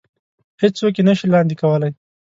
هېڅ څوک يې نه شي لاندې کولی.